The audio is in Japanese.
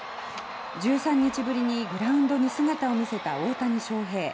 １３日ぶりにグラウンドに姿を見せた大谷翔平